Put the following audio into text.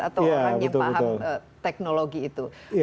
atau orang yang paham teknologi itu